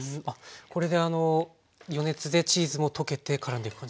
これで余熱でチーズも溶けてからんでいく感じですか？